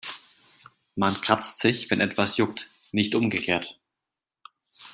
Man kratzt sich, wenn etwas juckt, nicht umgekehrt.